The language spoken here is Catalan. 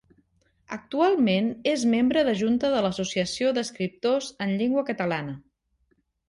Actualment és membre de junta de l’Associació d’Escriptors en Llengua Catalana.